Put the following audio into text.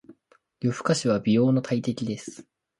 夜更かしは美容の大敵です。